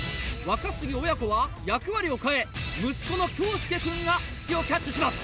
若杉親子は役割を変え息子の恭佑くんが蕗をキャッチします。